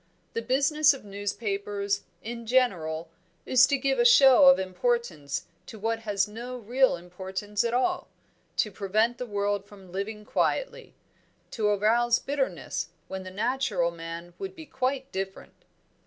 The business of newspapers, in general, is to give a show of importance to what has no real importance at all to prevent the world from living quietly to arouse bitterness when the natural man would be quite different."